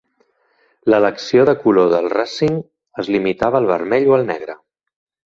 L'elecció de color del Racing es limitava al vermell o al negre.